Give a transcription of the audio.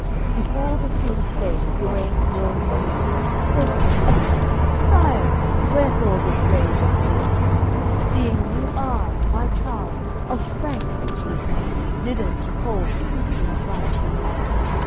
AOI. XXXVI Before the King's face Guenes drawing near Says to him "Sire, wherefore this rage and fear? Seeing you are, by Charles, of Franks the chief, Bidden to hold the Christians' right belief.